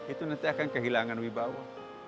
itu nanti akan kehilangan wibawa